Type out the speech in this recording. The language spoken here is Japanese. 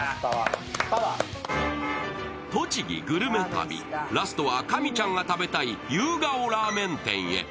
栃木グルメ旅ラストは神ちゃんが食べたい夕顔ラーメン店へ。